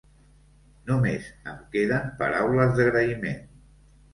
Només em queden paraules d’agraïment.